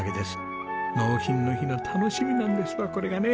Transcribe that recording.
納品の日の楽しみなんですわこれがね。